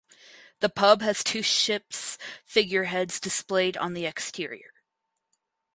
The pub has two ships figureheads displayed on the exterior.